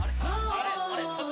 あれ？